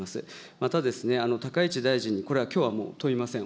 また、高市大臣に、これはきょうはもう問いません。